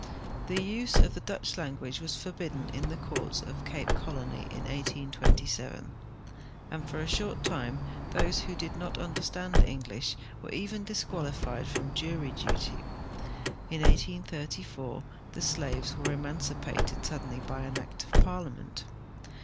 The use of the Dutch language was forbidden in the courts of Cape Colony in 1827, and for a short time those who did not understand English were even disqualified from jury duty. In 1834 the slaves were emancipated suddenly by act of Parliament.